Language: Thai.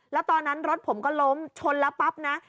แล้วตอนนั้นรถผมก็ล้มชนแล้วปั๊บนะ